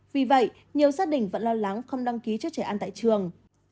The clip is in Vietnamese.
vì vậy nhiều gia đình vẫn lo lắng không đăng ký cho trẻ ăn tại trường